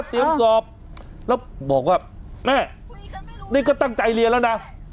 สอบแล้วบอกว่าแม่นี่ก็ตั้งใจเรียนแล้วนะ